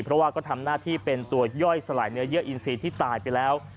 เพราะว่าก็ทำหน้าที่เป็นตัวย่อยสลายเนื้อเยื่ออินซีที่ตายไปแล้ว